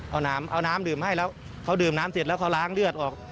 เอาน้ำเอาน้ำดื่มให้แล้วเขาดื่มน้ำเสร็จแล้วเขาล้างเลือดออก